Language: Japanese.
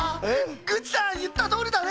グッチさんいったとおりだね！